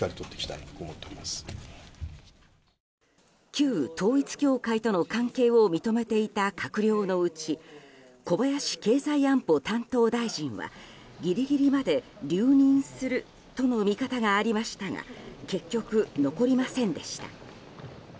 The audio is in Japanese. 旧統一教会との関係を認めていた閣僚のうち小林経済安保担当大臣はギリギリまで留任するとの見方がありましたが結局、残りませんでした。